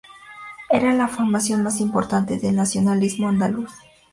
Era la formación más importante del nacionalismo andaluz.